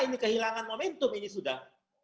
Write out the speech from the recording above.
ini kehilangan momentum ini sudah